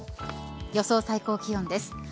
予想最高気温です。